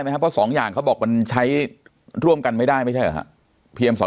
เพราะ๒อย่างเขาบอกว่าใช้ร่วมกันไม่ได้ไม่ใช่ไหมครับ